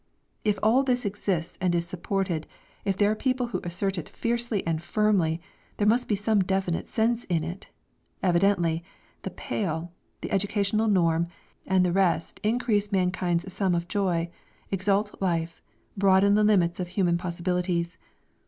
If all this exists and is supported, if there are people who assert it fiercely and firmly, there must be some definite sense in it; evidently, the Pale, the educational norm, and the rest increase mankind's sum of joy, exalt life, broaden the limits of human possibilities.